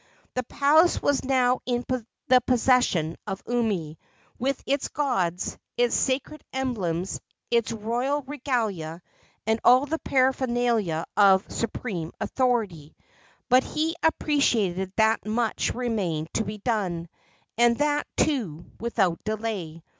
The palace was now in the possession of Umi, with its gods, its sacred emblems, its royal regalia and all the paraphernalia of supreme authority; but he appreciated that much remained to be done, and that, too, without delay.